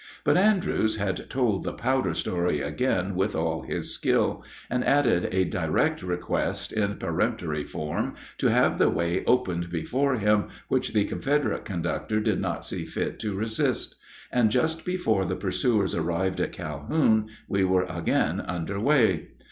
But Andrews had told the powder story again with all his skill, and added a direct request in peremptory form to have the way opened before him, which the Confederate conductor did not see fit to resist; and just before the pursuers arrived at Calhoun we were again under way.